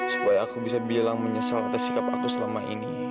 supaya aku bisa bilang menyesal atas sikap aku selama ini